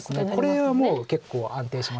これはもう結構安定しましたから。